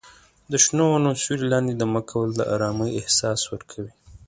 د شنو ونو سیوري لاندې دمه کول د ارامۍ احساس ورکوي.